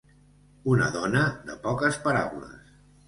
Una dona de poques paraules.